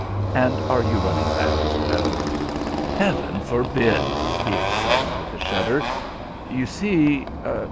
"And are you running that as well?" "Heaven forbid!" he exclaimed, with a shudder. "You see